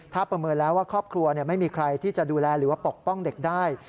ถ้าประเมินแล้วว่าครอบครัวไม่มีใครที่จะดูแลหรือว่าปกป้องเด็กได้